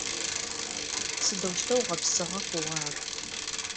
Сыдэущтэу гъэпсыгъэ хъугъа ар?